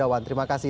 baiklah terima kasih